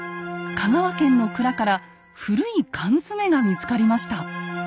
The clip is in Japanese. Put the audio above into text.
香川県の蔵から古い缶詰が見つかりました。